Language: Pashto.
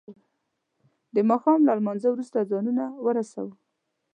د ما ښام له لما نځه وروسته ځانونه ورسو.